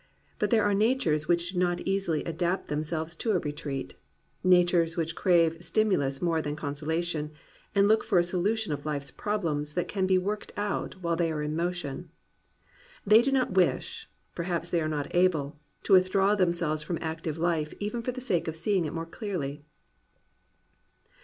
But there are natures which do not easily adapt themselves to a retreat, — natures which crave stimulus more than consolation, and look for a solution of life's problem that can be worked out while they are in motion. They do not wish, perhaps they are not able, to withdraw them selves from active life even for the sake of seeing it more clearly.